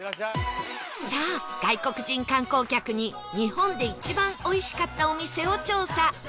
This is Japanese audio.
さあ外国人観光客に日本で一番おいしかったお店を調査